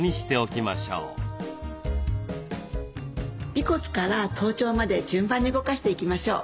尾骨から頭頂まで順番に動かしていきましょう。